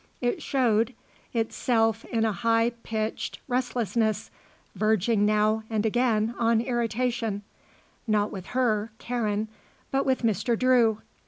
It showed, itself in a high pitched restlessness, verging now and again on irritation not with her, Karen, but with Mr. Drew.